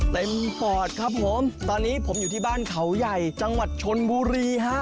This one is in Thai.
ปอดครับผมตอนนี้ผมอยู่ที่บ้านเขาใหญ่จังหวัดชนบุรีฮะ